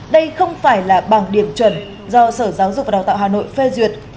đây không phải là bảng điểm chuẩn do sở giáo dục và đào tạo hà nội phê duyệt